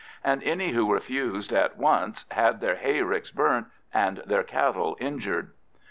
And any who refused at once had their hayricks burnt and their cattle injured.